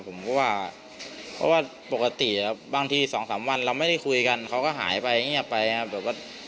ผมก็ว่าเพราะว่าปกติบางที๒๓วันเราไม่ได้คุยกันเขาก็หายไปเงียบไปครับแบบว่า